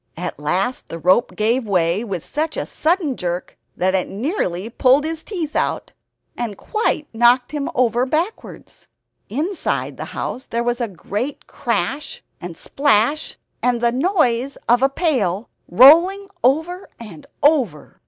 At last the rope gave way with such a sudden jerk that it nearly pulled his teeth out, and quite knocked him over backwards. Inside the house there was a great crash and splash, and the noise of a pail rolling over and over.